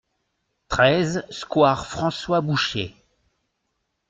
treize square François Boucher